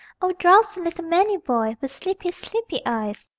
(O drowsy little manny boy, _With sleepy, sleepy eyes!